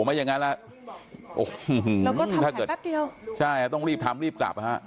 ไม่อย่างงั้นแล้วแล้วถ้าเกิดแปปเดียวใช่ต้องรีบทำรีบกลับครับ